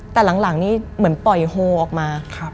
แต่หลังนี่เหมือนปล่อยโฮออกมา